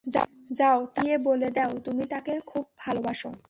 যাও তাকে গিয়ে বলে দেও তুমি তাকে খুব ভালোবাসো।